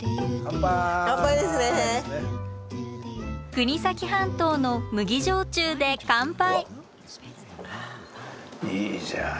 国東半島の麦焼酎で乾杯。